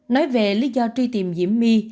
nói về lý do truy tìm diễm my